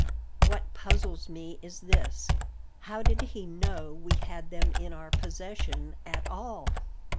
What puzzles me is this: How did he know we had them in our possession at all?"